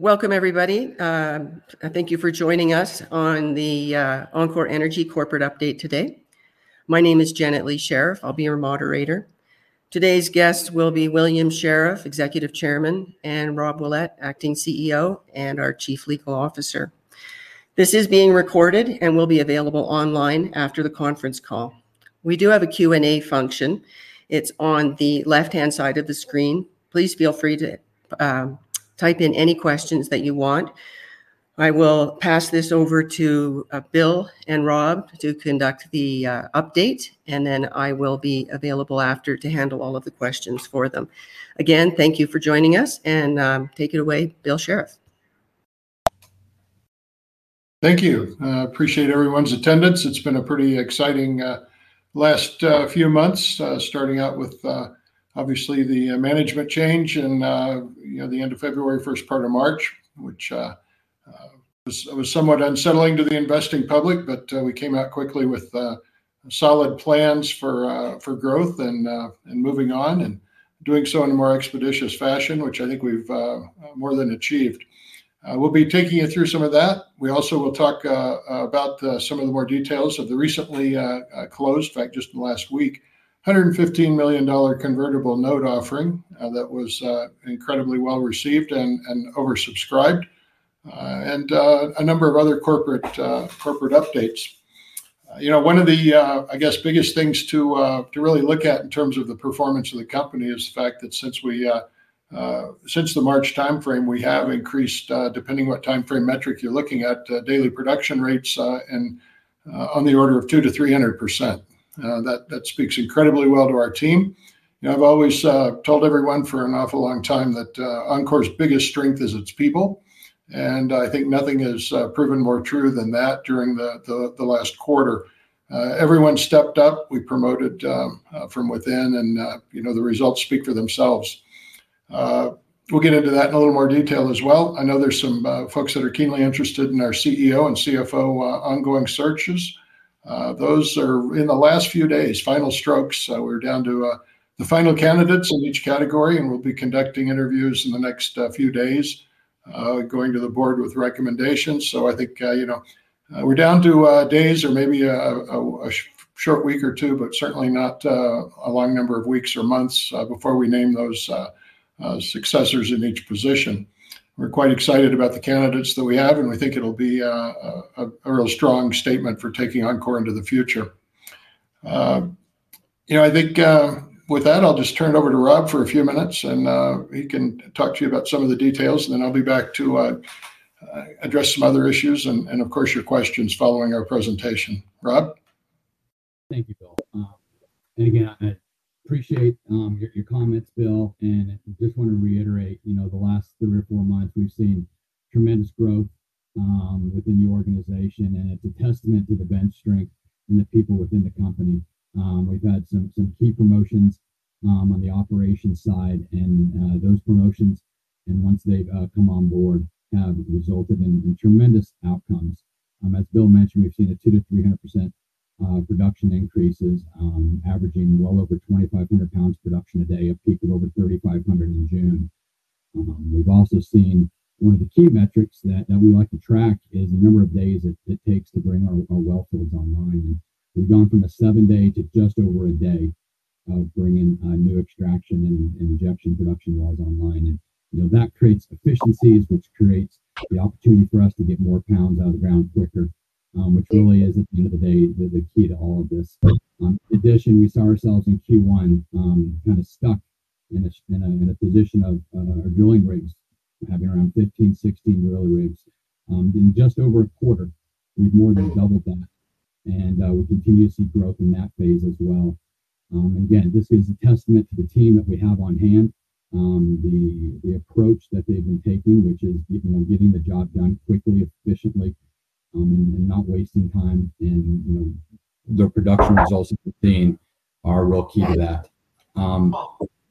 Welcome, everybody. Thank you for joining us on the enCore Energy Corp. update today. My name is Janet Lee-Sheriff. I'll be your moderator. Today's guests will be William Sheriff, Executive Chairman, and Rob Willette, Acting CEO and our Chief Legal Officer. This is being recorded and will be available online after the conference call. We do have a Q&A function. It's on the left-hand side of the screen. Please feel free to type in any questions that you want. I will pass this over to Bill and Rob to conduct the update, and then I will be available after to handle all of the questions for them. Again, thank you for joining us, and take it away, Bill Sheriff. Thank you. I appreciate everyone's attendance. It's been a pretty exciting last few months, starting out with obviously the management change at the end of February, first part of March, which was somewhat unsettling to the investing public. We came out quickly with solid plans for growth and moving on and doing so in a more expeditious fashion, which I think we've more than achieved. We'll be taking you through some of that. We also will talk about some of the more details of the recently closed, in fact, just in the last week, $115 million convertible note offering that was incredibly well received and oversubscribed and a number of other corporate updates. One of the biggest things to really look at in terms of the performance of the company is the fact that since the March timeframe, we have increased, depending on what timeframe metric you're looking at, daily production rates on the order of 200%-300%. That speaks incredibly well to our team. I've always told everyone for an awful long time that enCore's biggest strength is its people, and I think nothing has proven more true than that during the last quarter. Everyone stepped up. We promoted from within, and the results speak for themselves. We'll get into that in a little more detail as well. I know there's some folks that are keenly interested in our CEO and CFO ongoing searches. Those are, in the last few days, final strokes. We're down to the final candidates in each category, and we'll be conducting interviews in the next few days, going to the board with recommendations. I think we're down to days or maybe a short week or two, but certainly not a long number of weeks or months before we name those successors in each position. We're quite excited about the candidates that we have, and we think it'll be a real strong statement for taking enCore into the future. I think with that, I'll just turn it over to Rob for a few minutes, and he can talk to you about some of the details, and then I'll be back to address some other issues and, of course, your questions following our presentation. Rob? Thank you, Bill. I appreciate your comments, Bill. I just want to reiterate, the last three or four months, we've seen tremendous growth within the organization, and it's a testament to the bench strength and the people within the company. We've had some key promotions on the operations side, and those promotions, once they've come on board, have resulted in tremendous outcomes. As Bill mentioned, we've seen a 200%-300% production increase, averaging well over 2,500 lbs production a day. If we put over 3,500 lbs in June, we've also seen one of the key metrics that we like to track is the number of days it takes to bring out a well for the gun line. We've gone from a seven-day to just over a day of bringing new extraction and injection production wells online. That creates efficiencies, which creates the opportunity for us to get more pounds out of the ground quicker, which really is, at the end of the day, the key to all of this. In addition, we saw ourselves in Q1 kind of stuck in a position of drilling rates having around 15%-16% drill rates in just over a quarter. We've more than doubled that, and we continuously grow in that phase as well. This gives a testament to the team that we have on hand, the approach that they've been taking, which is getting the job done quickly, efficiently, and not wasting time. The production results that we've seen are real key to that.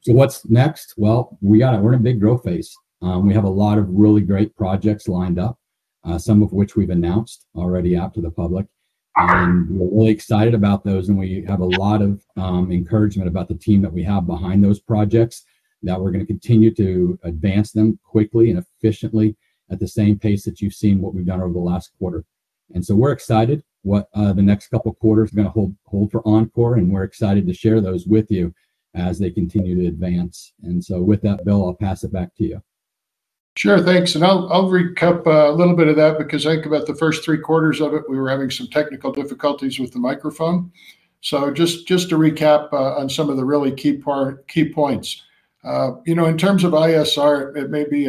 What's next? We are in a big growth phase. We have a lot of really great projects lined up, some of which we've announced already out to the public. We're really excited about those, and we have a lot of encouragement about the team that we have behind those projects that we're going to continue to advance them quickly and efficiently at the same pace that you've seen what we've done over the last quarter. We're excited. The next couple of quarters are going to hold for enCore, and we're excited to share those with you as they continue to advance. With that, Bill, I'll pass it back to you. Sure, thanks. I'll recap a little bit of that because I think about the first three quarters of it, we were having some technical difficulties with the microphone. Just to recap on some of the really key points, in terms of ISR, it may be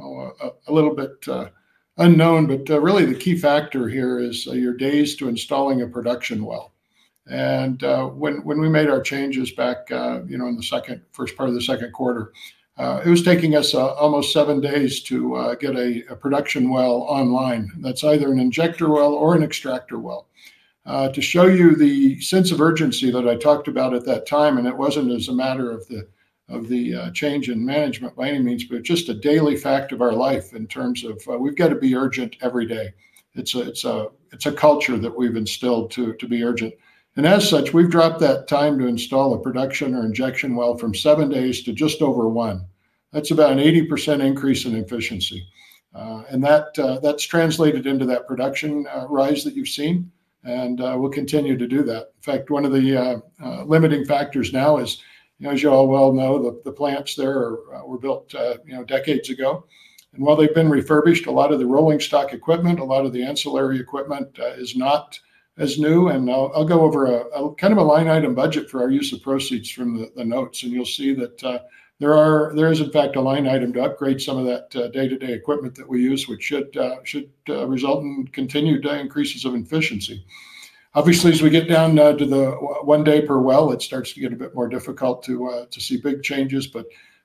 a little bit unknown, but really the key factor here is your days to installing a production well. When we made our changes back in the first part of the second quarter, it was taking us almost seven days to get a production well online. That's either an injector well or an extractor well. To show you the sense of urgency that I talked about at that time, it wasn't a matter of the change in management by any means, it's just a daily fact of our life in terms of we've got to be urgent every day. It's a culture that we've instilled to be urgent. As such, we've dropped that time to install a production or injection well from seven days to just over one. That's about an 80% increase in efficiency. That's translated into that production rise that you've seen, and we'll continue to do that. In fact, one of the limiting factors now is, as you all well know, the plants there were built decades ago. While they've been refurbished, a lot of the rolling stock equipment, a lot of the ancillary equipment is not as new. I'll go over a kind of a line item budget for our use of proceeds from the notes, and you'll see that there is, in fact, a line item to upgrade some of that day-to-day equipment that we use, which should result in continued increases of efficiency. Obviously, as we get down to the one day per well, it starts to get a bit more difficult to see big changes.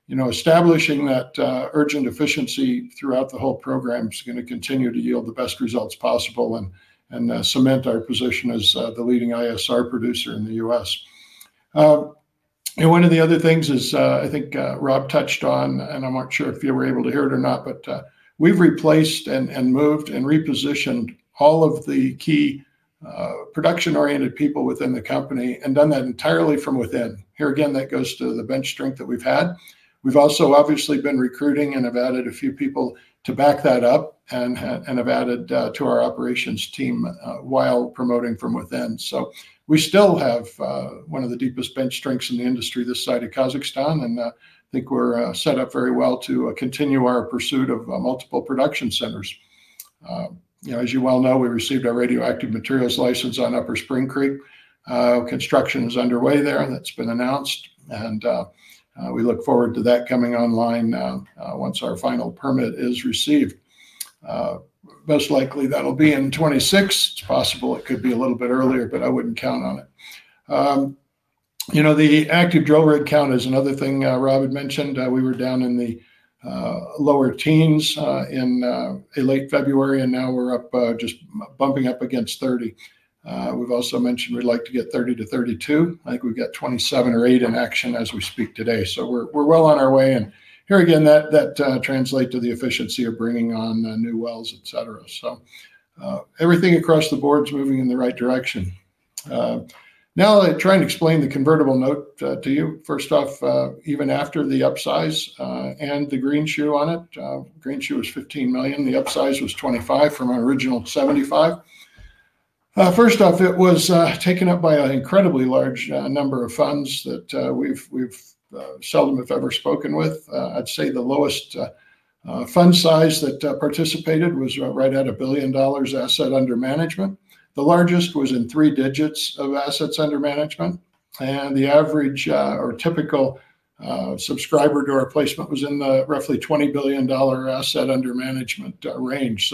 Establishing that urgent efficiency throughout the whole program is going to continue to yield the best results possible and cement our position as the leading ISR producer in the U.S. One of the other things is, I think Rob touched on, and I'm not sure if you were able to hear it or not, we've replaced and moved and repositioned all of the key production-oriented people within the company and done that entirely from within. Here again, that goes to the bench strength that we've had. We've also obviously been recruiting and have added a few people to back that up and have added to our operations team while promoting from within. We still have one of the deepest bench strengths in the industry this side of Kazakhstan, and I think we're set up very well to continue our pursuit of multiple production centers. As you well know, we received our radioactive materials license on Upper Spring Creek. Construction is underway there, and it's been announced, and we look forward to that coming online once our final permit is received. Most likely, that'll be in 2026. It's possible it could be a little bit earlier, but I wouldn't count on it. The active drill rate count is another thing Rob had mentioned. We were down in the lower teens in late February, and now we're up just bumping up against 30%. We've also mentioned we'd like to get 30%-32%. I think we've got 27%-28% in action as we speak today. We're well on our way, and here again, that translates to the efficiency of bringing on new wells, et cetera. Everything across the board is moving in the right direction. Now, trying to explain the convertible note to you. First off, even after the upsize and the greenshoe on it, greenshoe was $15 million. The upsize was $25 million from our original $75 million. First off, it was taken up by an incredibly large number of funds that we've seldom if ever spoken with. I'd say the lowest fund size that participated was right at $1 billion assets under management. The largest was in three digits of assets under management, and the average or typical subscriber to our placement was in the roughly $20 billion assets under management range.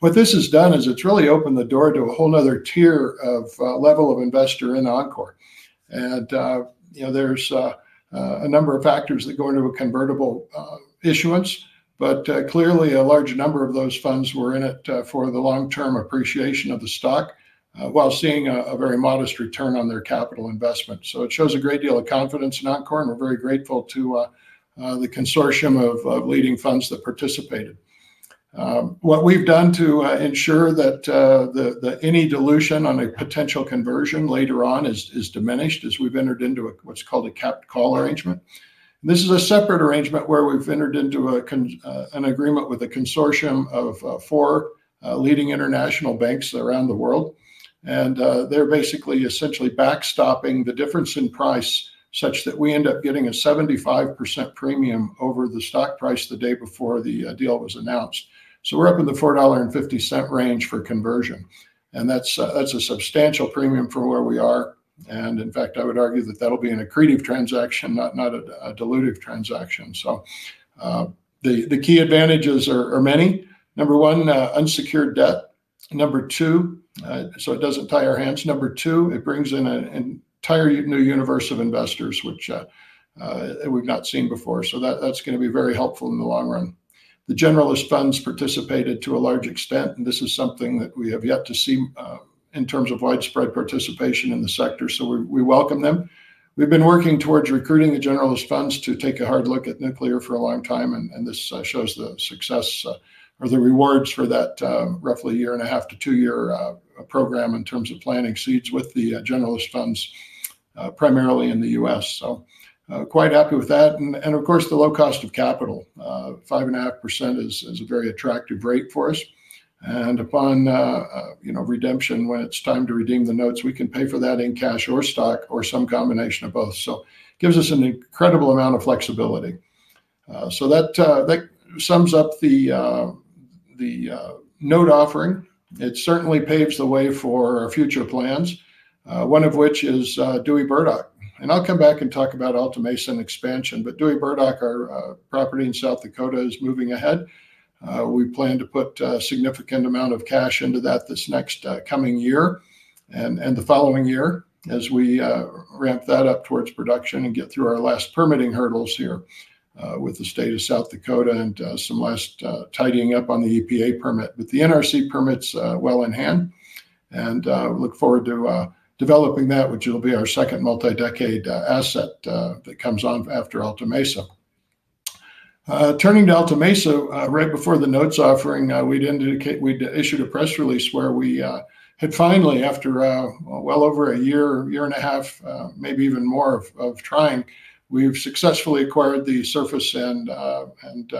What this has done is it's really opened the door to a whole other tier of level of investor in enCore. There are a number of factors that go into a convertible issuance, but clearly, a large number of those funds were in it for the long-term appreciation of the stock while seeing a very modest return on their capital investment. It shows a great deal of confidence in enCore, and we're very grateful to the consortium of leading funds that participated. What we've done to ensure that any dilution on a potential conversion later on is diminished is we've entered into what's called a capped call arrangement. This is a separate arrangement where we've entered into an agreement with a consortium of four leading international banks around the world. They're basically essentially backstopping the difference in price such that we end up getting a 75% premium over the stock price the day before the deal was announced. We're up in the $4.50 range for conversion, and that's a substantial premium for where we are. I would argue that that'll be an accretive transaction, not a dilutive transaction. The key advantages are many. Number one, unsecured debt. Number two, it doesn't tie our hands. Number two, it brings in an entire new universe of investors, which we've not seen before. That's going to be very helpful in the long run. The generalist funds participated to a large extent, and this is something that we have yet to see in terms of widespread participation in the sector. We welcome them. We've been working towards recruiting the generalist funds to take a hard look at nuclear for a long time, and this shows the success or the rewards for that roughly year and a half to two-year program in terms of planting seeds with the generalist funds primarily in the U.S. Quite happy with that. Of course, the low cost of capital, 5.5%, is a very attractive rate for us. Upon redemption, when it's time to redeem the notes, we can pay for that in cash or stock or some combination of both. It gives us an incredible amount of flexibility. That sums up the note offering. It certainly paves the way for future plans, one of which is Dewey Burdock. I'll come back and talk about Alta Mesa and expansion. Dewey Burdock, our property in South Dakota, is moving ahead. We plan to put a significant amount of cash into that this next coming year and the following year as we ramp that up towards production and get through our last permitting hurdles here with the state of South Dakota and some last tidying up on the EPA permit. The NRC permits are well in hand, and we look forward to developing that, which will be our second multi-decade asset that comes on after Alta Mesa. Turning to Alta Mesa, right before the notes offering, we'd indicated we'd issued a press release where we had finally, after well over a year, year and a half, maybe even more of trying, we've successfully acquired the surface and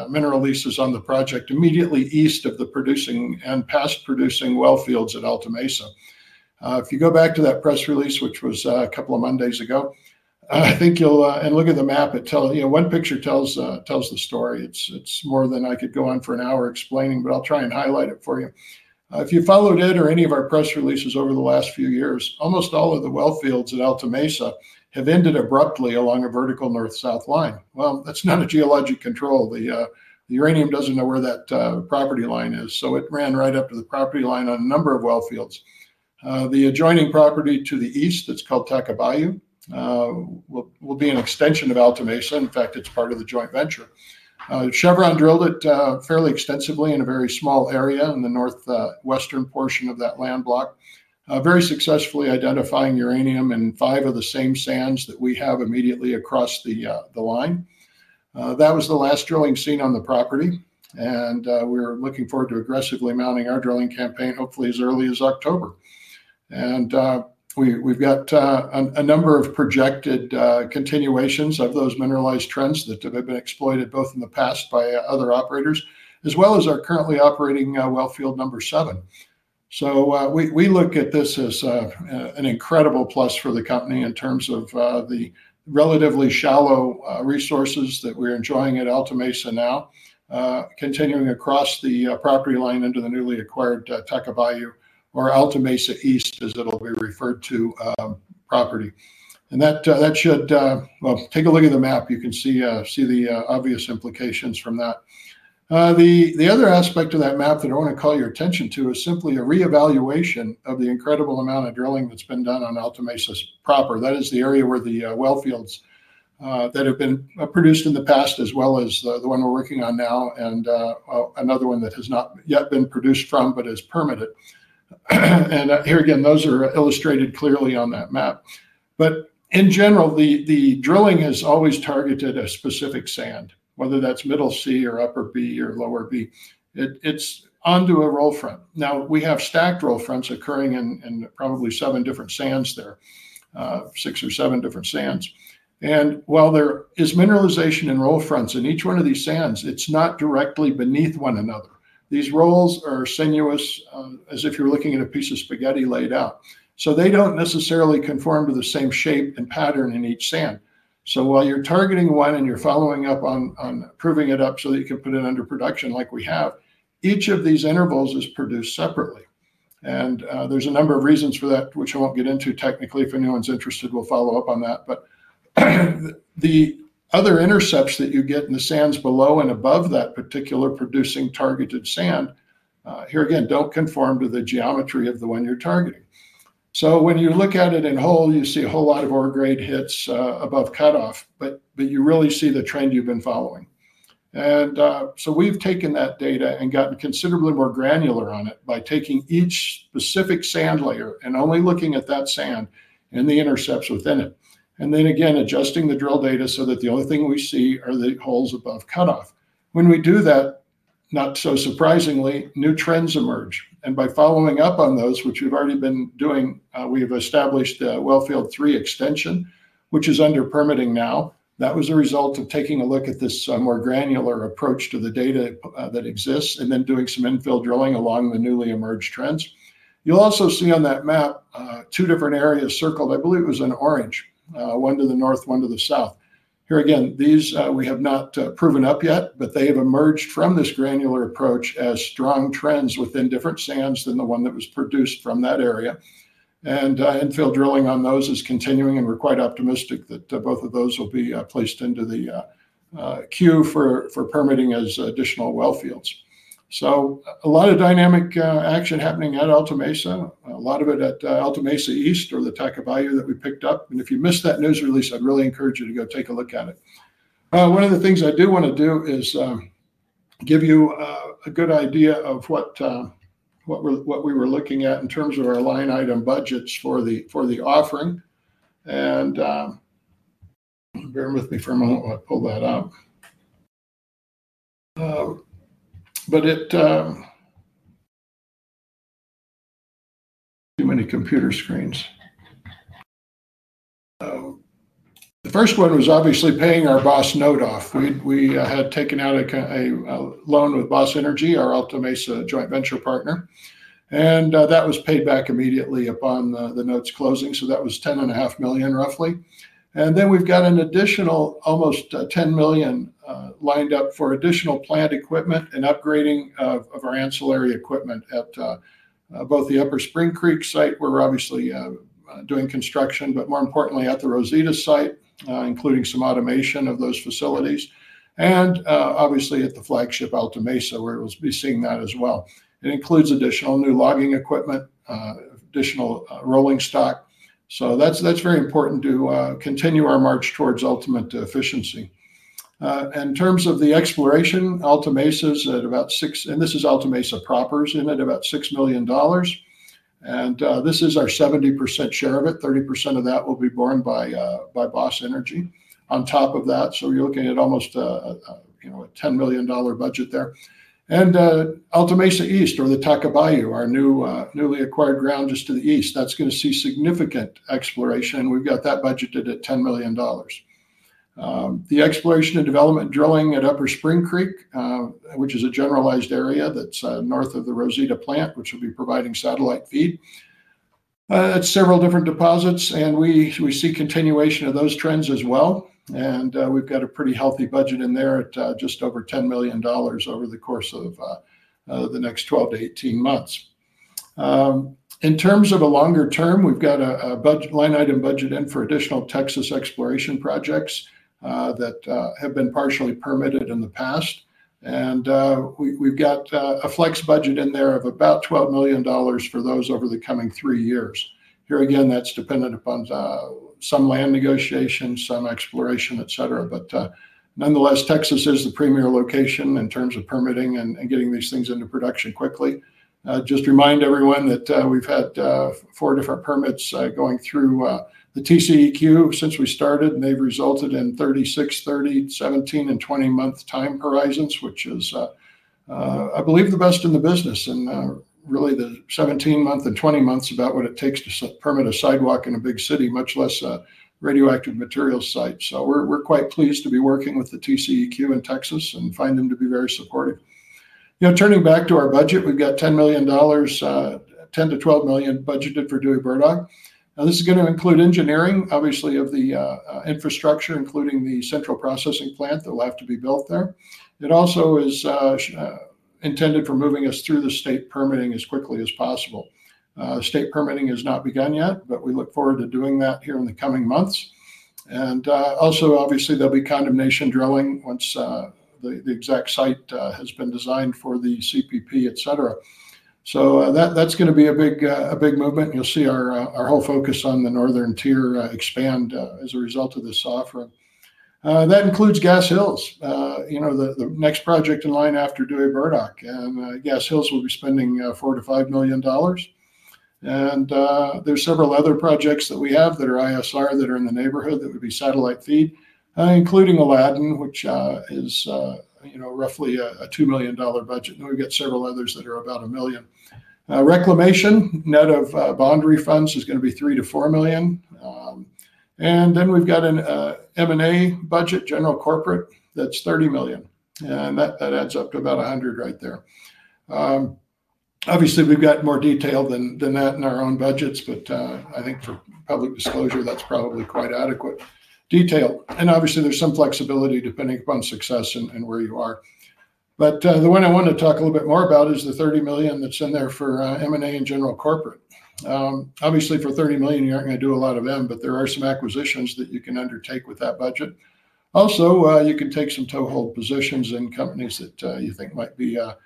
mineral leases on the project immediately east of the producing and past producing wellfields at Alta Mesa. If you go back to that press release, which was a couple of Mondays ago, I think you'll, and look at the map, it tells, you know, one picture tells the story. It's more than I could go on for an hour explaining, but I'll try and highlight it for you. If you followed it or any of our press releases over the last few years, almost all of the wellfields at Alta Mesa have ended abruptly along a vertical north-south line. That's not a geologic control. The uranium doesn't know where that property line is. It ran right up to the property line on a number of wellfields. The adjoining property to the east that's called Tacubaya will be an extension of Alta Mesa. In fact, it's part of the joint venture. Chevron drilled it fairly extensively in a very small area in the northwestern portion of that land block, very successfully identifying uranium in five of the same sands that we have immediately across the line. That was the last drilling seen on the property, and we're looking forward to aggressively mounting our drilling campaign, hopefully as early as October. We've got a number of projected continuations of those mineralized trends that have been exploited both in the past by other operators, as well as our currently operating wellfield number seven. We look at this as an incredible plus for the company in terms of the relatively shallow resources that we're enjoying at Alta Mesa now, continuing across the property line into the newly acquired Tacubaya or Alta Mesa East, as it'll be referred to, property. That should, take a look at the map, you can see the obvious implications from that. The other aspect of that map that I want to call your attention to is simply a reevaluation of the incredible amount of drilling that's been done on Alta Mesa proper. That is the area where the wellfields that have been produced in the past, as well as the one we're working on now, and another one that has not yet been produced from but is permitted. Here again, those are illustrated clearly on that map. In general, the drilling has always targeted a specific sand, whether that's middle C or upper B or lower B. It's onto a roll front. We have stacked roll fronts occurring in probably seven different sands there, six or seven different sands. While there is mineralization in roll fronts in each one of these sands, it's not directly beneath one another. These rolls are sinuous, as if you're looking at a piece of spaghetti laid out. They don't necessarily conform to the same shape and pattern in each sand. While you're targeting one and you're following up on proving it up so that you can put it under production like we have, each of these intervals is produced separately. There are a number of reasons for that, which I won't get into technically. If anyone's interested, we'll follow up on that. The other intercepts that you get in the sands below and above that particular producing targeted sand, here again, don't conform to the geometry of the one you're targeting. When you look at it in whole, you see a whole lot of ore grade hits above cutoff, but you really see the trend you've been following. We've taken that data and gotten considerably more granular on it by taking each specific sand layer and only looking at that sand and the intercepts within it. Then again, adjusting the drill data so that the only thing we see are the holes above cutoff. When we do that, not so surprisingly, new trends emerge. By following up on those, which we've already been doing, we have established the wellfield three extension, which is under permitting now. That was a result of taking a look at this more granular approach to the data that exists and then doing some infill drilling along the newly emerged trends. You'll also see on that map two different areas circled. I believe it was in orange, one to the north, one to the south. Here again, these we have not proven up yet, but they have emerged from this granular approach as strong trends within different sands than the one that was produced from that area. Infill drilling on those is continuing, and we're quite optimistic that both of those will be placed into the queue for permitting as additional wellfields. A lot of dynamic action is happening at Alta Mesa, a lot of it at Alta Mesa East or the Tacubaya that we picked up. If you missed that news release, I'd really encourage you to go take a look at it. One of the things I do want to do is give you a good idea of what we were looking at in terms of our line item budgets for the offering. Bear with me for a moment, I'll pull that out. Too many computer screens. The first one was obviously paying our Boss note off. We had taken out a loan with Boss Energy, our Alta Mesa joint venture partner. That was paid back immediately upon the notes closing. That was $10.5 million, roughly. We've got an additional almost $10 million lined up for additional plant equipment and upgrading of our ancillary equipment at both the Upper Spring Creek site, where we're obviously doing construction, but more importantly at the Rosita site, including some automation of those facilities. At the flagship Alta Mesa, we'll be seeing that as well. It includes additional new logging equipment and additional rolling stock. That's very important to continue our march towards ultimate efficiency. In terms of the exploration, Alta Mesa is at about $6 million, and this is Alta Mesa proper. This is our 70% share of it. 30% of that will be borne by Boss Energy on top of that, so you're looking at almost a $10 million budget there. Alta Mesa East or the Tacubaya, our newly acquired ground just to the east, is going to see significant exploration. We've got that budgeted at $10 million. The exploration and development drilling at Upper Spring Creek, which is a generalized area that's north of the Rosita plant and will be providing satellite feed, covers several different deposits, and we see continuation of those trends as well. We've got a pretty healthy budget in there at just over $10 million over the course of the next 12-18 months. In terms of a longer term, we've got a line item budget in for additional Texas exploration projects that have been partially permitted in the past. We've got a flex budget in there of about $12 million for those over the coming three years. Here again, that's dependent upon some land negotiations, some exploration, et cetera. Nonetheless, Texas is the premier location in terms of permitting and getting these things into production quickly. Just to remind everyone, we've had four different permits going through the TCEQ since we started, and they've resulted in 36-month, 30-month, 17-month, and 20-month time horizons, which is, I believe, the best in the business. The 17-month and 20-month is about what it takes to permit a sidewalk in a big city, much less a radioactive materials site. We're quite pleased to be working with the TCEQ in Texas and find them to be very supportive. Turning back to our budget, we've got $10 million, $10 million-$12 million budgeted for Dewey Burdock. This is going to include engineering, obviously, of the infrastructure, including the central processing plant that will have to be built there. It also is intended for moving us through the state permitting as quickly as possible. State permitting has not begun yet, but we look forward to doing that here in the coming months. Obviously, there'll be condemnation drilling once the exact site has been designed for the CPP, et cetera. That's going to be a big movement. You'll see our whole focus on the northern tier expand as a result of this offering. That includes Gas Hills, the next project in line after Dewey Burdock. Gas Hills will be spending $4 to $5 million. There are several other projects that we have that are ISR that are in the neighborhood that would be satellite feed, including (Aladdin), which is roughly a $2 million budget. We've got several others that are about $1 million. Reclamation, net of boundary funds, is going to be $3 million-$4 million. We've got an M&A budget, general corporate, that's $30 million. That adds up to about $100 million right there. Obviously, we've got more detail than that in our own budgets, but I think for public disclosure, that's probably quite adequate detail. There's some flexibility depending upon success and where you are. The one I want to talk a little bit more about is the $30 million that's in there for M&A and general corporate. For $30 million, you're not going to do a lot of M, but there are some acquisitions that you can undertake with that budget. You can take some toehold positions in companies that you think might be a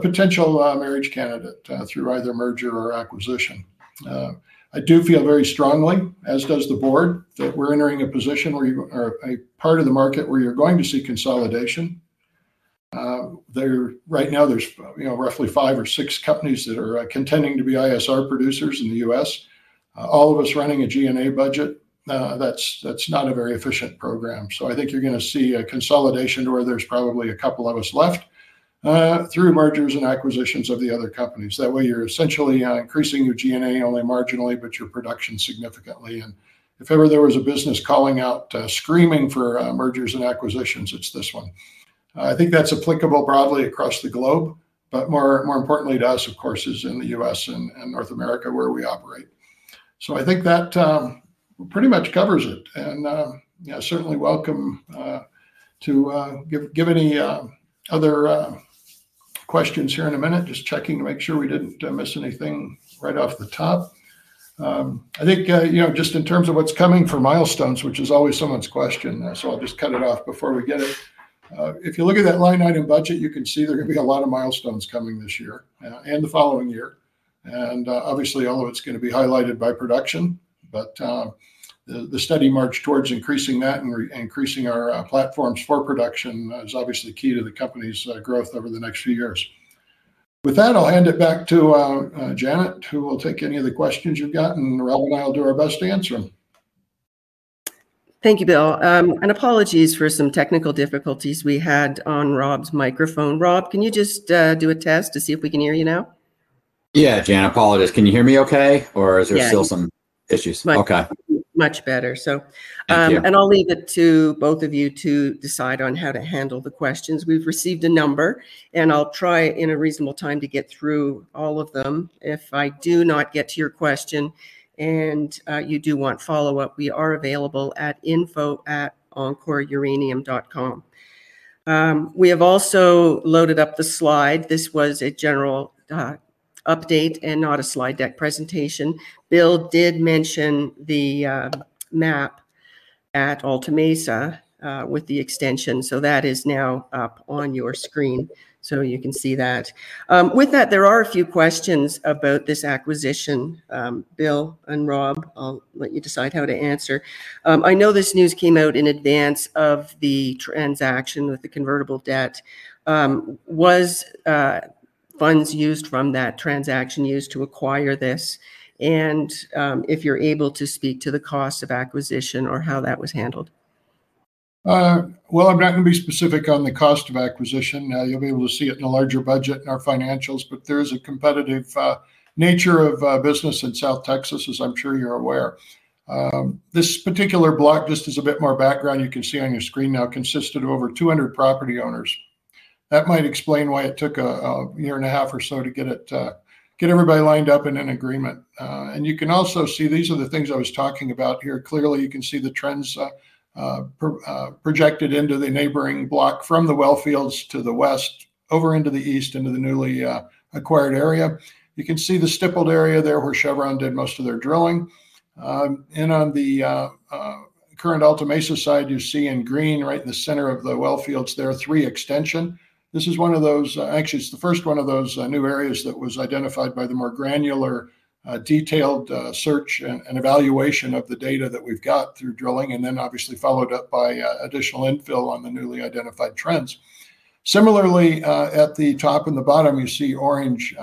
potential marriage candidate through either merger or acquisition. I do feel very strongly, as does the board, that we're entering a position where you are a part of the market where you're going to see consolidation. Right now, there's roughly five or six companies that are contending to be ISR producers in the U.S. All of us running a G&A budget, that's not a very efficient program. I think you're going to see a consolidation to where there's probably a couple of us left through mergers and acquisitions of the other companies. That way, you're essentially increasing your G&A only marginally, but your production significantly. If ever there was a business calling out screaming for mergers and acquisitions, it's this one. I think that's applicable broadly across the globe, but more importantly to us, of course, is in the U.S. and North America where we operate. I think that pretty much covers it. I certainly welcome you to give any other questions here in a minute, just checking to make sure we didn't miss anything right off the top. I think, just in terms of what's coming for milestones, which is always someone's question, I'll just cut it off before we get it. If you look at that line item budget, you can see there are going to be a lot of milestones coming this year and the following year. Obviously, all of it's going to be highlighted by production. The steady march towards increasing that and increasing our platforms for production is obviously key to the company's growth over the next few years. With that, I'll hand it back to Janet, who will take any of the questions you've got, and Rob and I will do our best to answer them. Thank you, Bill. Apologies for some technical difficulties we had on Rob's microphone. Rob, can you just do a test to see if we can hear you now? Janet, apologies. Can you hear me OK, or is there still some issues? Much better. I'll leave it to both of you to decide on how to handle the questions. We've received a number, and I'll try in a reasonable time to get through all of them. If I do not get to your question and you do want follow-up, we are available at info@encoreuranium.com. We have also loaded up the slide. This was a general update and not a slide deck presentation. Bill did mention the map at Alta Mesa with the extension. That is now up on your screen, so you can see that. With that, there are a few questions about this acquisition. Bill and Rob, I'll let you decide how to answer. I know this news came out in advance of the transaction with the convertible note. Was funds used from that transaction used to acquire this? If you're able to speak to the cost of acquisition or how that was handled? I'm not going to be specific on the cost of acquisition. You'll be able to see it in a larger budget in our financials. There is a competitive nature of business in South Texas, as I'm sure you're aware. This particular block, just as a bit more background you can see on your screen now, consisted of over 200 property owners. That might explain why it took a year and a half or so to get everybody lined up in an agreement. You can also see these are the things I was talking about here. Clearly, you can see the trends projected into the neighboring block from the wellfields to the west, over into the east, into the newly acquired area. You can see the stippled area there where Chevron did most of their drilling. On the current Alta Mesa side, you see in green right in the center of the wellfields there, three extensions. This is one of those, actually, it's the first one of those new areas that was identified by the more granular, detailed search and evaluation of the data that we've got through drilling, and then obviously followed up by additional infill on the newly identified trends. Similarly, at the top and the bottom, you see orange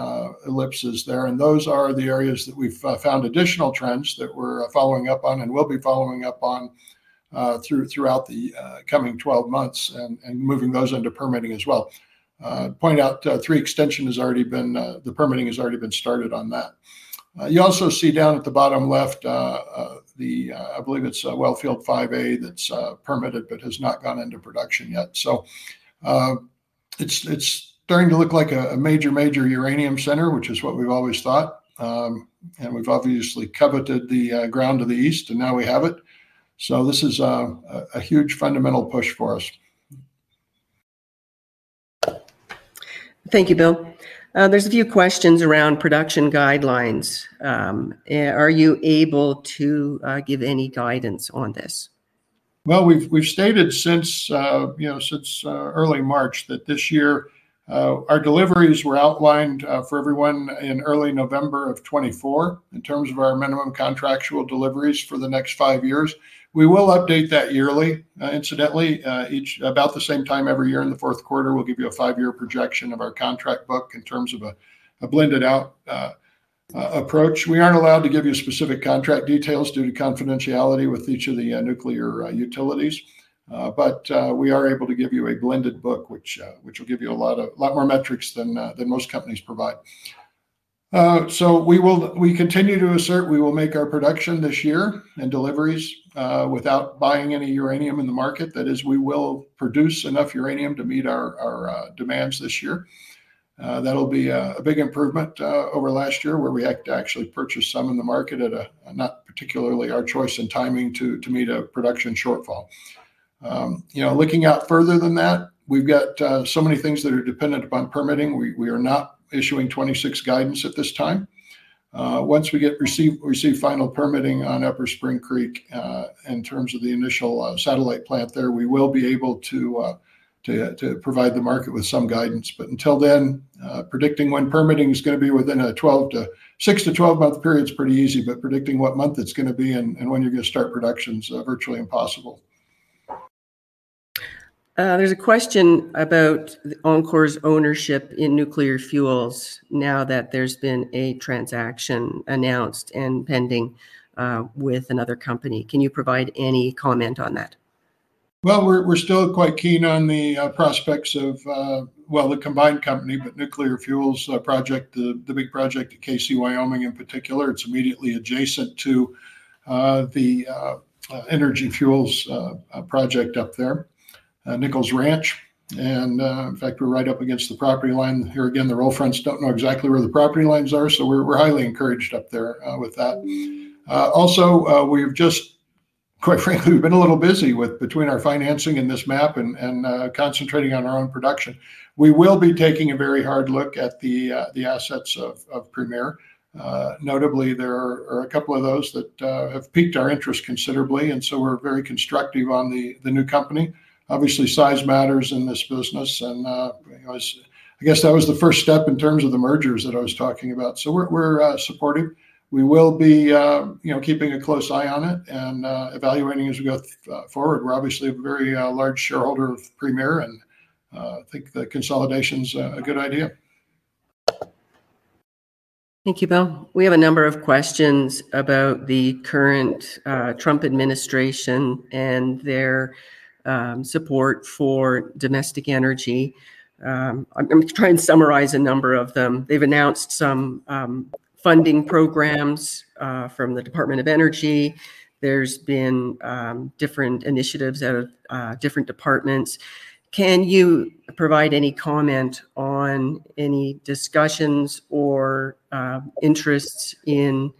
ellipses there. Those are the areas that we've found additional trends that we're following up on and will be following up on throughout the coming 12 months and moving those into permitting as well. I'll point out three extensions has already been, the permitting has already been started on that. You also see down at the bottom left, I believe it's a wellfield 5A that's permitted but has not gone into production yet. It's starting to look like a major, major uranium center, which is what we've always thought. We've obviously coveted the ground to the east, and now we have it. This is a huge fundamental push for us. Thank you, Bill. There are a few questions around production guidelines. Are you able to give any guidance on this? Since early March, this year our deliveries were outlined for everyone in early November of 2024 in terms of our minimum contractual deliveries for the next five years. We will update that yearly. Incidentally, about the same time every year in the fourth quarter, we'll give you a five-year projection of our contract book in terms of a blended-out approach. We aren't allowed to give you specific contract details due to confidentiality with each of the nuclear utilities. We are able to give you a blended book, which will give you a lot more metrics than most companies provide. We continue to assert we will make our production this year and deliveries without buying any uranium in the market. That is, we will produce enough uranium to meet our demands this year. That'll be a big improvement over last year where we had to actually purchase some in the market at not particularly our choice in timing to meet a production shortfall. Looking out further than that, we've got so many things that are dependent upon permitting. We are not issuing 2026 guidance at this time. Once we receive final permitting on Upper Spring Creek in terms of the initial satellite plant there, we will be able to provide the market with some guidance. Until then, predicting when permitting is going to be within a 6 month-12-month period is pretty easy. Predicting what month it's going to be and when you're going to start production is virtually impossible. There's a question about enCore's ownership in nuclear fuels now that there's been a transaction announced and pending with another company. Can you provide any comment on that? We are still quite keen on the prospects of the combined company, but nuclear fuels project, the big project at (KC) Wyoming in particular. It's immediately adjacent to the Energy Fuels project up there, Nichols Ranch. In fact, we're right up against the property line. Here again, the roll fronts don't know exactly where the property lines are. We are highly encouraged up there with that. Also, we've just, quite frankly, been a little busy with our financing and this map and concentrating on our own production. We will be taking a very hard look at the assets of Premier. Notably, there are a couple of those that have piqued our interest considerably. We are very constructive on the new company. Obviously, size matters in this business. I guess that was the first step in terms of the mergers that I was talking about. We are supportive. We will be keeping a close eye on it and evaluating as we go forward. We are obviously a very large shareholder of Premier. I think the consolidation is a good idea. Thank you, Bill. We have a number of questions about the current Trump administration and their support for domestic energy. I'm going to try and summarize a number of them. They've announced some funding programs from the Department of Energy. There have been different initiatives at different departments. Can you provide any comment on any discussions or interests in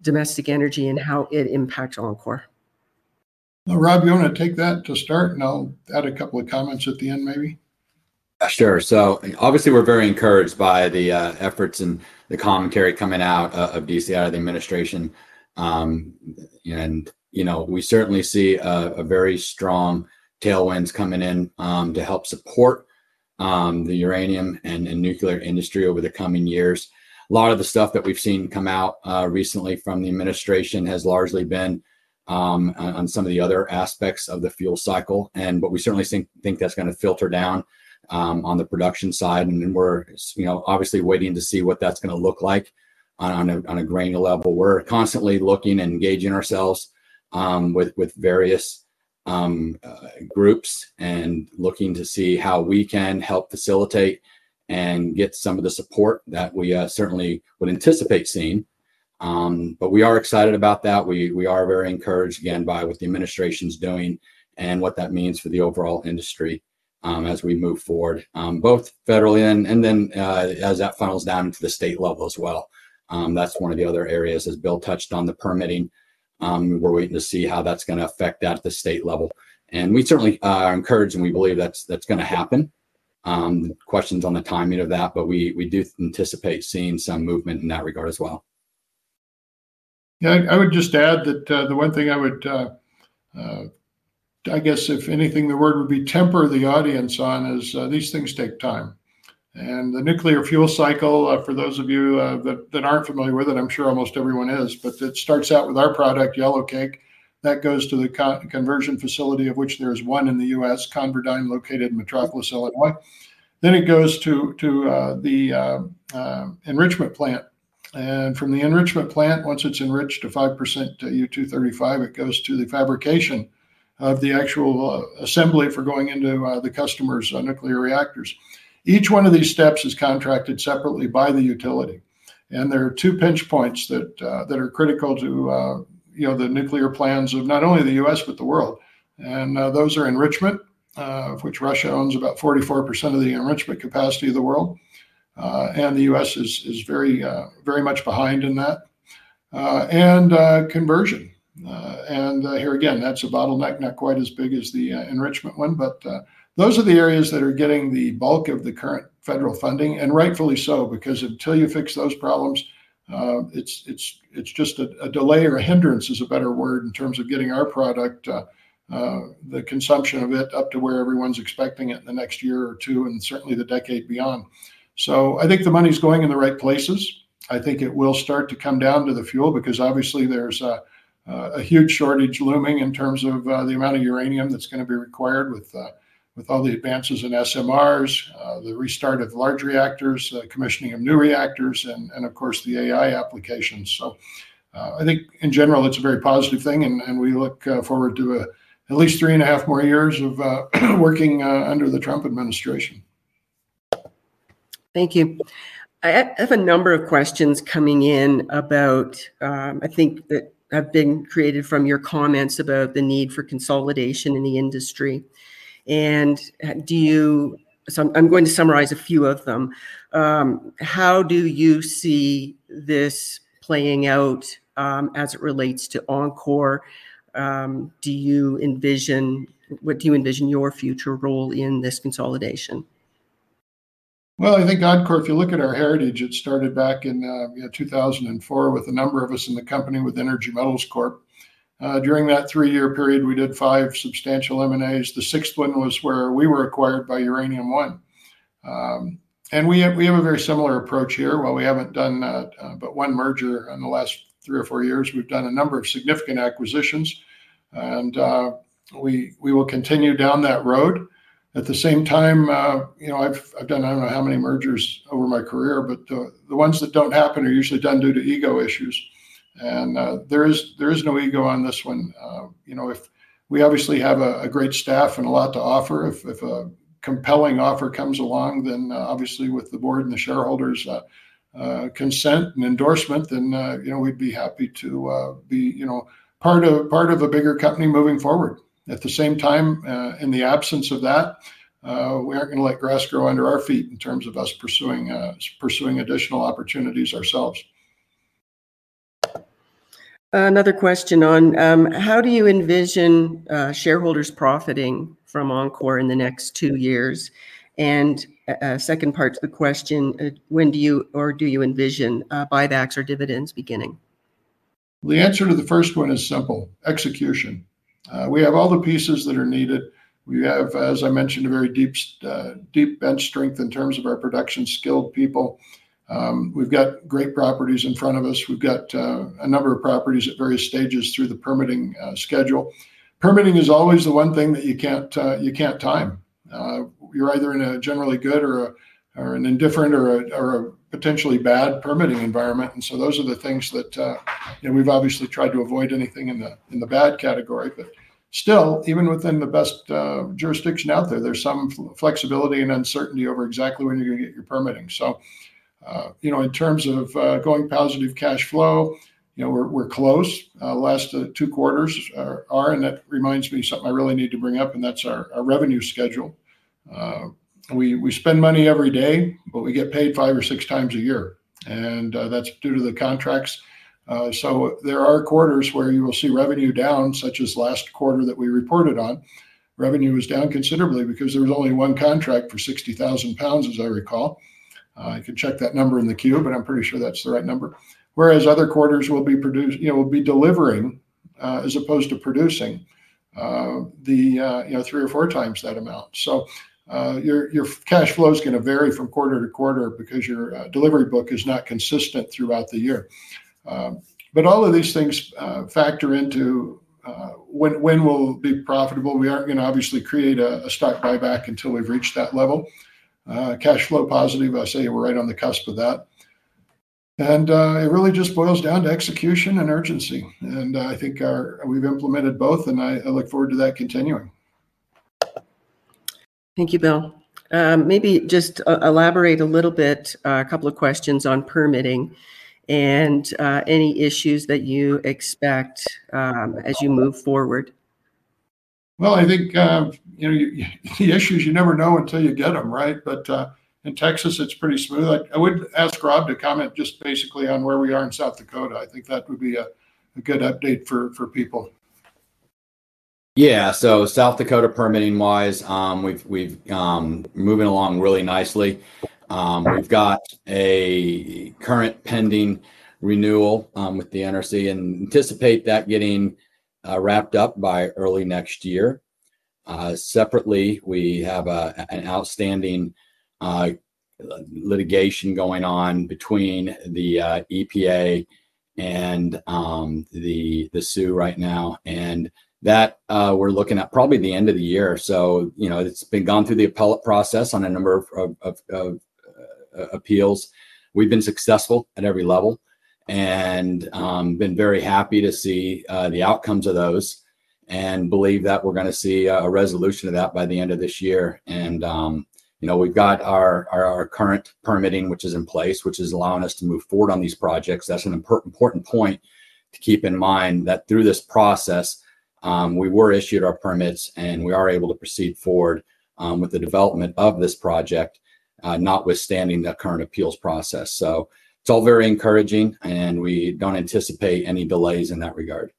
domestic energy and how it impacts enCore Energy? Rob, you want to take that to start? I'll add a couple of comments at the end, maybe. Sure. We're very encouraged by the efforts and the commentary coming out of D.C., the administration. We certainly see a very strong tailwind coming in to help support the uranium and nuclear industry over the coming years. A lot of the stuff that we've seen come out recently from the administration has largely been on some of the other aspects of the fuel cycle. We certainly think that's going to filter down on the production side. We're obviously waiting to see what that's going to look like on a granular level. We're constantly looking and engaging ourselves with various groups and looking to see how we can help facilitate and get some of the support that we certainly would anticipate seeing. We are excited about that. We are very encouraged, again, by what the administration is doing and what that means for the overall industry as we move forward, both federally and then as that funnels down to the state level as well. That's one of the other areas, as Bill touched on, the permitting. We're waiting to see how that's going to affect that at the state level. We certainly encourage, and we believe that's going to happen. Questions on the timing of that. We do anticipate seeing some movement in that regard as well. I would just add that the one thing I would, if anything, the word would be temper the audience on is these things take time. The nuclear fuel cycle, for those of you that aren't familiar with it, I'm sure almost everyone is, but it starts out with our product, yellowcake. That goes to the conversion facility, of which there is one in the U.S., ConverDyn, located in Metropolis, Illinois. It then goes to the enrichment plant. From the enrichment plant, once it's enriched to 5% U-235, it goes to the fabrication of the actual assembly for going into the customer's nuclear reactors. Each one of these steps is contracted separately by the utility. There are two pinch points that are critical to the nuclear plans of not only the U.S., but the world. Those are enrichment, of which Russia owns about 44% of the enrichment capacity of the world, and the U.S. is very much behind in that, and conversion. Here again, that's a bottleneck, not quite as big as the enrichment one. Those are the areas that are getting the bulk of the current federal funding, and rightfully so, because until you fix those problems, it's just a delay or a hindrance, is a better word, in terms of getting our product, the consumption of it, up to where everyone's expecting it in the next year or two and certainly the decade beyond. I think the money is going in the right places. I think it will start to come down to the fuel because obviously there's a huge shortage looming in terms of the amount of uranium that's going to be required with all the advances in SMRs, the restart of large reactors, commissioning of new reactors, and of course, the AI applications. I think in general, it's a very positive thing. We look forward to at least three and a half more years of working under the Trump administration. Thank you. I have a number of questions coming in about, I think, that have been created from your comments about the need for consolidation in the industry. Do you, so I'm going to summarize a few of them. How do you see this playing out as it relates to enCore? Do you envision, what do you envision your future role in this consolidation? I think enCore, if you look at our heritage, it started back in 2004 with a number of us in the company with Energy Metals Corp During that three-year period, we did five substantial M&As. The sixth one was where we were acquired by Uranium One. We have a very similar approach here. While we haven't done but one merger in the last three or four years, we've done a number of significant acquisitions, and we will continue down that road. At the same time, I've done, I don't know how many mergers over my career, but the ones that don't happen are usually due to ego issues. There is no ego on this one. We obviously have a great staff and a lot to offer. If a compelling offer comes along, then obviously with the board and the shareholders' consent and endorsement, we'd be happy to be part of a bigger company moving forward. At the same time, in the absence of that, we aren't going to let grass grow under our feet in terms of us pursuing additional opportunities ourselves. Another question on how do you envision shareholders profiting from enCore in the next two years? The second part to the question, when do you or do you envision buybacks or dividends beginning? The answer to the first one is simple, execution. We have all the pieces that are needed. We have, as I mentioned, a very deep bench strength in terms of our production skilled people. We've got great properties in front of us. We've got a number of properties at various stages through the permitting schedule. Permitting is always the one thing that you can't time. You're either in a generally good or an indifferent or a potentially bad permitting environment. Those are the things that we've obviously tried to avoid anything in the bad category. Still, even within the best jurisdiction out there, there's some flexibility and uncertainty over exactly when you're going to get your permitting. In terms of going positive cash flow, you know, we're close. The last two quarters are, and that reminds me of something I really need to bring up, and that's our revenue schedule. We spend money every day, but we get paid 5x or 6x a year. That's due to the contracts. There are quarters where you will see revenue down, such as last quarter that we reported on. Revenue was down considerably because there was only one contract for 60,000 lbs, as I recall. I can check that number in the queue, but I'm pretty sure that's the right number. Whereas other quarters will be produced, you know, we'll be delivering as opposed to producing the, you know, 3x or 4x that amount. Your cash flow is going to vary from quarter to quarter because your delivery book is not consistent throughout the year. All of these things factor into when we'll be profitable. We aren't, you know, obviously create a stock buyback until we've reached that level. Cash flow positive, I'll say we're right on the cusp of that. It really just boils down to execution and urgency. I think we've implemented both, and I look forward to that continuing. Thank you, Bill. Maybe just elaborate a little bit, a couple of questions on permitting and any issues that you expect as you move forward. I think, you know, the issues you never know until you get them, right? In Texas, it's pretty smooth. I would ask Rob to comment just basically on where we are in South Dakota. I think that would be a good update for people. Yeah, so South Dakota permitting-wise, we're moving along really nicely. We've got a current pending renewal with the NRC and anticipate that getting wrapped up by early next year. Separately, we have an outstanding litigation going on between the EPA and the (SUE) right now. We're looking at probably the end of the year. It's been gone through the appellate process on a number of appeals. We've been successful at every level and been very happy to see the outcomes of those and believe that we're going to see a resolution of that by the end of this year. We've got our current permitting, which is in place, which is allowing us to move forward on these projects. That's an important point to keep in mind that through this process, we were issued our permits and we are able to proceed forward with the development of this project, notwithstanding the current appeals process. It's all very encouraging and we don't anticipate any delays in that regard.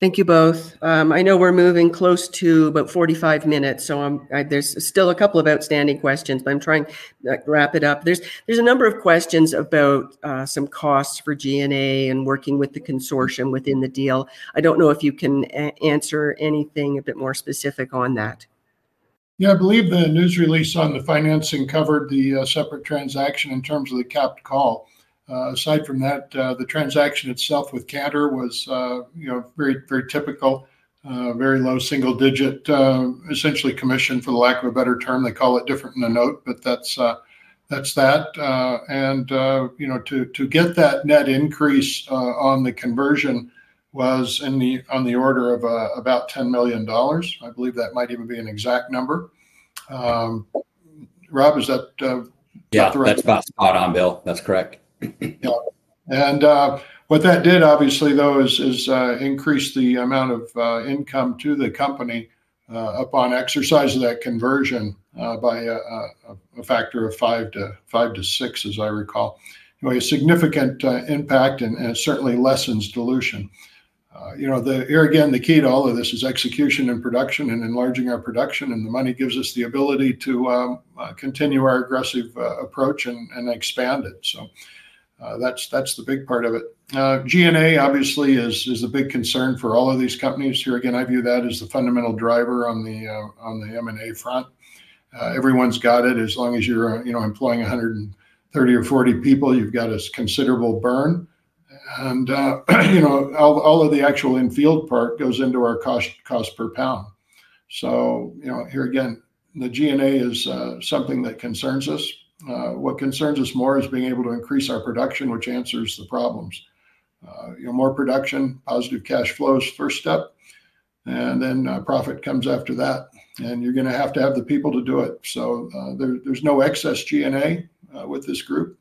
Thank you both. I know we're moving close to about 45 minutes, so there's still a couple of outstanding questions, but I'm trying to wrap it up. There's a number of questions about some costs for G&A and working with the consortium within the deal. I don't know if you can answer anything a bit more specific on that. Yeah, I believe the news release on the financing covered the separate transaction in terms of the capped call. Aside from that, the transaction itself with Cantor was very, very typical, very low single digit, essentially commission, for the lack of a better term. They call it different in a note, but that's that. To get that net increase on the conversion was on the order of about $10 million. I believe that might even be an exact number. Rob, is that correct? Yeah, that's about spot on, Bill. That's correct. Yep. What that did, obviously, is increase the amount of income to the company upon exercise of that conversion by a factor of five to six, as I recall. It was a significant impact and certainly lessens dilution. Here again, the key to all of this is execution and production and enlarging our production, and the money gives us the ability to continue our aggressive approach and expand it. That's the big part of it. G&A, obviously, is a big concern for all of these companies. Here again, I view that as the fundamental driver on the M&A front. Everyone's got it. As long as you're employing 130 or 140 people, you've got a considerable burn. All of the actual infield part goes into our cost per pound. Here again, the G&A is something that concerns us. What concerns us more is being able to increase our production, which answers the problems. More production, positive cash flow is the first step. Then profit comes after that. You're going to have to have the people to do it. There's no excess G&A with this group.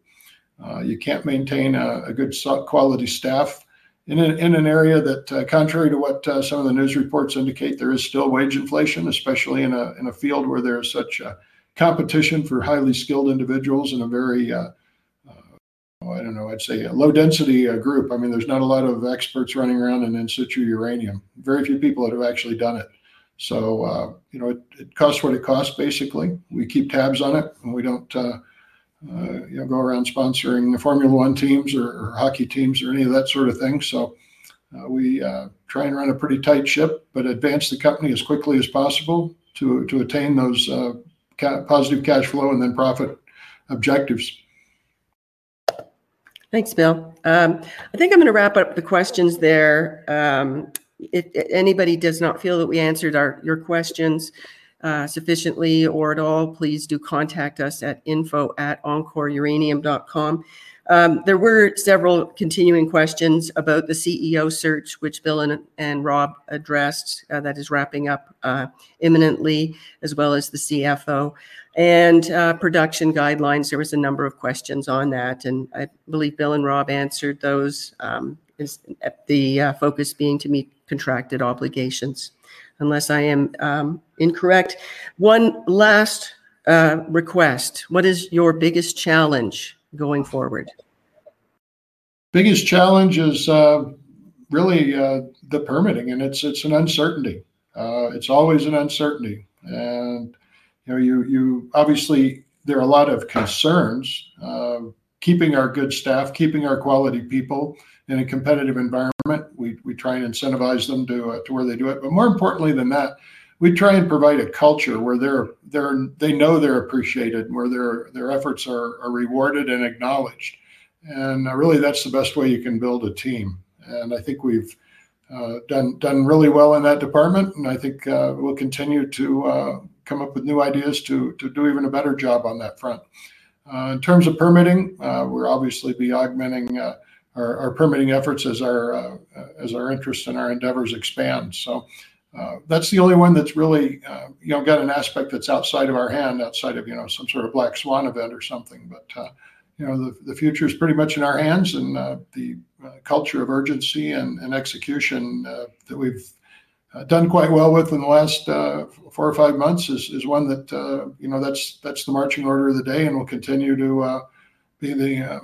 You can't maintain a good quality staff in an area that, contrary to what some of the news reports indicate, there is still wage inflation, especially in a field where there's such a competition for highly skilled individuals in a very, I don't know, I'd say a low-density group. There's not a lot of experts running around in In-Situ Uranium. Very few people that have actually done it. It costs what it costs, basically. We keep tabs on it. We don't go around sponsoring the Formula 1 teams or hockey teams or any of that sort of thing. We try and run a pretty tight ship, but advance the company as quickly as possible to attain those positive cash flow and then profit objectives. Thanks, Bill. I think I'm going to wrap up the questions there. If anybody does not feel that we answered your questions sufficiently or at all, please do contact us at info@encoreuranium.com. There were several continuing questions about the CEO search, which Bill and Rob addressed. That is wrapping up imminently, as well as the CFO and production guidelines. There were a number of questions on that. I believe Bill and Rob answered those, with the focus being to meet contracted obligations, unless I am incorrect. One last request. What is your biggest challenge going forward? Biggest challenge is really the permitting. It's an uncertainty. It's always an uncertainty. There are a lot of concerns. Keeping our good staff, keeping our quality people in a competitive environment, we try and incentivize them to where they do it. More importantly than that, we try and provide a culture where they know they're appreciated, where their efforts are rewarded and acknowledged. Really, that's the best way you can build a team. I think we've done really well in that department. I think we'll continue to come up with new ideas to do even a better job on that front. In terms of permitting, we'll obviously be augmenting our permitting efforts as our interests and our endeavors expand. That's the only one that's really got an aspect that's outside of our hand, outside of some sort of black swan event or something. The future is pretty much in our hands. The culture of urgency and execution that we've done quite well with in the last four or five months is one that, that's the marching order of the day and will continue to be the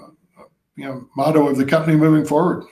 motto of the company moving forward.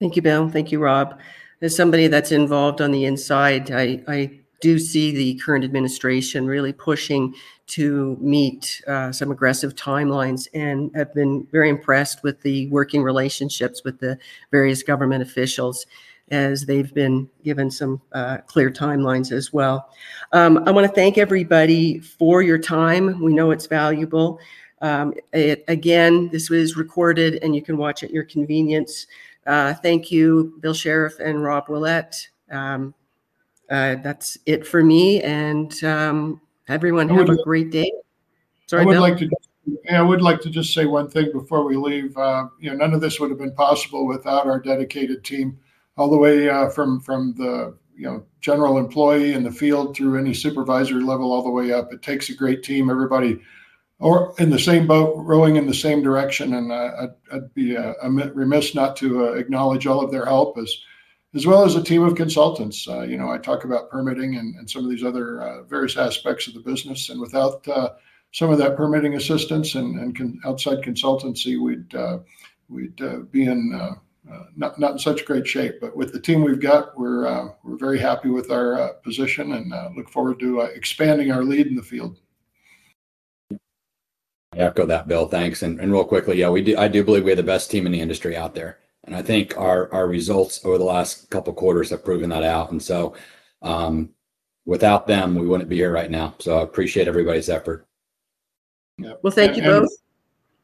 Thank you, Bill. Thank you, Rob. As somebody that's involved on the inside, I do see the current administration really pushing to meet some aggressive timelines and have been very impressed with the working relationships with the various government officials as they've been given some clear timelines as well. I want to thank everybody for your time. We know it's valuable. Again, this was recorded and you can watch at your convenience. Thank you, Bill Sheriff and Rob Willette. That's it for me. Everyone, have a great day. I would like to just say one thing before we leave. None of this would have been possible without our dedicated team, all the way from the general employee in the field through any supervisory level, all the way up. It takes a great team, everybody in the same boat, rowing in the same direction. I'd be remiss not to acknowledge all of their help, as well as a team of consultants. I talk about permitting and some of these other various aspects of the business. Without some of that permitting assistance and outside consultancy, we'd be not in such great shape. With the team we've got, we're very happy with our position and look forward to expanding our lead in the field. Echo that, Bill. Thanks. Real quickly, yeah, I do believe we have the best team in the industry out there. I think our results over the last couple of quarters have proven that out. Without them, we wouldn't be here right now. I appreciate everybody's effort. Thank you both.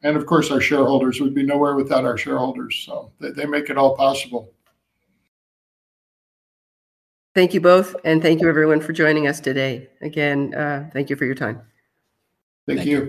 Our shareholders make it all possible. We would be nowhere without our shareholders. Thank you both. Thank you, everyone, for joining us today. Again, thank you for your time. Thank you.